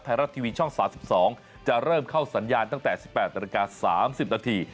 ไทยรัฐทีวีช่อง๓๒จะเริ่มเข้าสัญญาณตั้งแต่๑๘นาฬิกา๓๐นาที